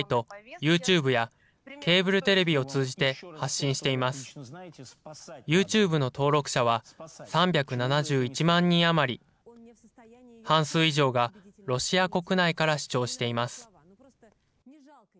ユーチューブの登録者は３７１万人余り、半数以上がロシア国内から視聴しています。